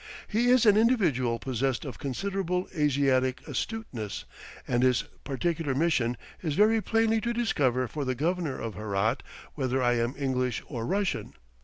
He is an individual possessed of considerable Asiatic astuteness, and his particular mission is very plainly to discover for the governor of Herat whether I am English or Russian.